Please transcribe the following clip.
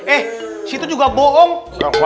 eh situ juga bohong